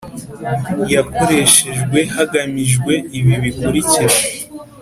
yakoreshejwe hagamijwe ibi bikurikira